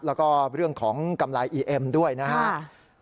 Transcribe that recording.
แล้วก็เรื่องของกำไรอีเอ็มด้วยนะครับ